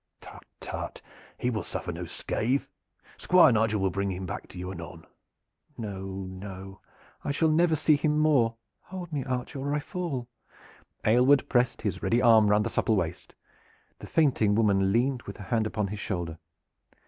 "Tut, tut! he will suffer no scathe. Squire Nigel will bring him back to you anon." "No, no, I shall never see him more. Hold me, archer, or I fall!" Aylward pressed his ready arm round the supple waist. The fainting woman leaned with her hand upon his shoulder.